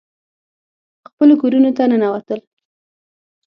خپلو کورونو ته ننوتل.